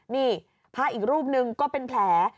นี่พระอีกรูปหนึ่งก็เป็นแผล